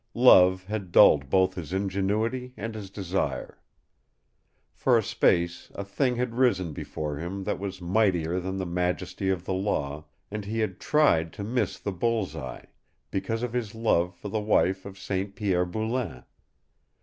Love had dulled both his ingenuity and his desire. For a space a thing had risen before him that was mightier than the majesty of the Law, and he had TRIED to miss the bull's eye because of his love for the wife of St. Pierre Boulain.